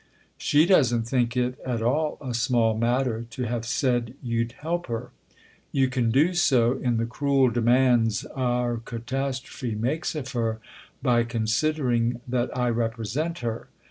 " She doesn't think it at all a small matter to have said you'd help her. You can do so in the cruel demands our catastrophe makes of her by con sidering that I represent her.